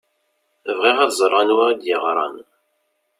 Bɣiɣ ad ẓṛeɣ anwa i d-yeɣṛan.